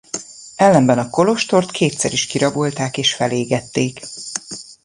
Ellenben a kolostort kétszer is kirabolták és felégették.